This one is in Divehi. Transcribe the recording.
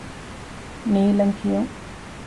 ނީލަން ކިޔުން